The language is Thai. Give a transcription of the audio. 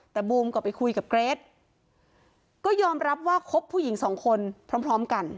แต่บูมก็ไปคุยกับเกรทก็ยอมรับว่าคบผู้หญิงสองคนพร้อมพร้อมกัน